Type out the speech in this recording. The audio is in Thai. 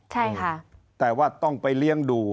ใช่ค่ะแต่ว่าต้องไปเลี้ยงดู